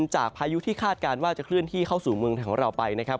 พายุที่คาดการณ์ว่าจะเคลื่อนที่เข้าสู่เมืองของเราไปนะครับ